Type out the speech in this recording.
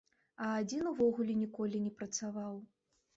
А адзін увогуле ніколі не працаваў!